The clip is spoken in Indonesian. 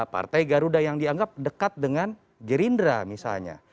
partai garuda yang dianggap dekat dengan gerindra misalnya